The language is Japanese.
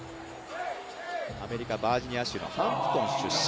アメリカ・バージニア州のハンプトン出身。